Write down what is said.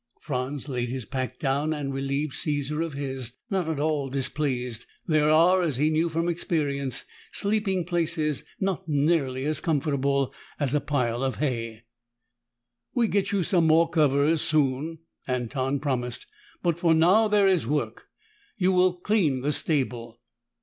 Franz laid his pack down and relieved Caesar of his, not at all displeased. There are, as he knew from experience, sleeping places not nearly as comfortable as a pile of hay. "We get you some more covers soon," Anton promised. "But for now there is work. You will clean the stable."